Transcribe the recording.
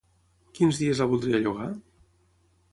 Quins dies la voldria llogar?